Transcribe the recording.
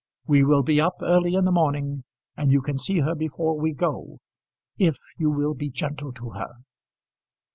We will be up early in the morning, and you can see her before we go; if you will be gentle to her."